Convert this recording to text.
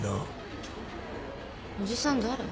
おじさん誰？